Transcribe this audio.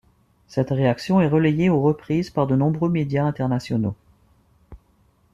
Cette réaction est relayée ou reprise par de nombreux médias internationaux.